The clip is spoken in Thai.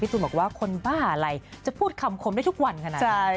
ตูนบอกว่าคนบ้าอะไรจะพูดคำคมได้ทุกวันขนาดไหน